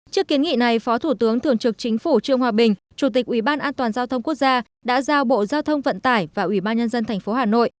trước kiến nghị này phó thủ tướng thường trực chính phủ trương hòa bình chủ tịch uban giao thông quốc gia đã giao bộ giao thông vận tải và uban tp hà nội